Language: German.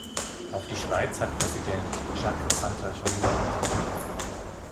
Auf die Schweiz hat Präsident Jacques Santer schon hingewiesen.